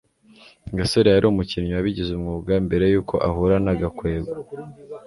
gasore yari umukinyi wabigize umwuga mbere yuko ahura na gakwego